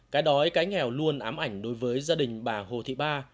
cái đói cái nghèo luôn ám ảnh đối với gia đình bà hồ thị ba